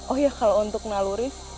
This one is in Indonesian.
oh iya kalau untuk naluri